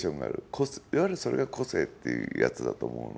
いわゆるそれが個性ってやつだと思うの。